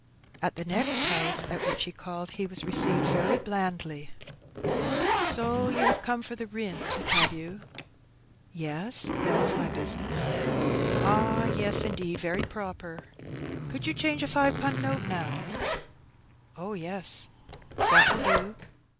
At the next house at which he called he was received very blandly. ''So you have come for the rint, have you?^' "Yes, that is my business.^^ "Ah, yes, indeed, very proper. Could you change a five pun^ note, npw?^' "Oh, yes/' " That will do.''